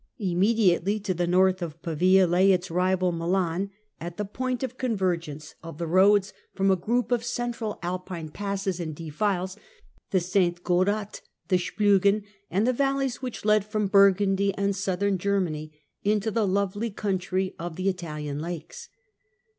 Immediately to the north of Pavia lay its rival Milan, at the point of con 9 130 THE CENTRAL PERIOD OF THE MIDDLE AGE vergence of the roads from a group of central Alpine passes and defiles, the St Gotthard, the Spliigen, and the valleys, which led from Burgundy and southern Germany into the lovely country of the Italian Lakes.